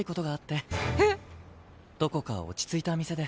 どこか落ち着いた店で。